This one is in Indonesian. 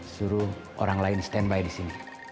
suruh orang lain stand by di sini